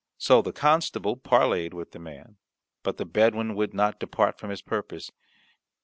So the constable parleyed with the man; but the Bedouin would not depart from his purpose.